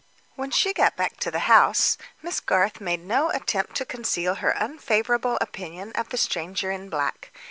When she returned to the house, Miss Garth made no attempt to conceal her unfavorable opinion of the stranger in black.